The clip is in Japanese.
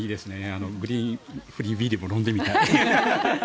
グリーンズフリービールも飲んでみたい。